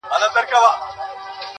گراني په تاڅه وسول ولي ولاړې ,